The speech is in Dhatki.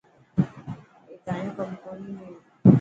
اي تايون ڪم ڪوني هي.